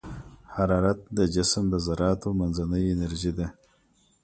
حرارت د جسم د ذراتو منځنۍ انرژي ده.